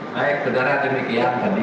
baik saudara demikian tadi